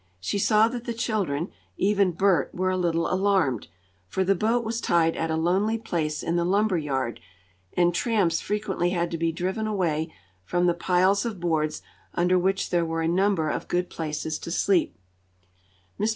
She saw that the children, even Bert, were a little alarmed, for the boat was tied at a lonely place in the lumber yard, and tramps frequently had to be driven away from the piles of boards under which there were a number of good places to sleep. Mr.